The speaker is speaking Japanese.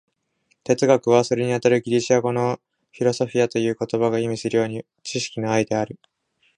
哲学は、それにあたるギリシア語の「フィロソフィア」という言葉が意味するように、知識の愛である。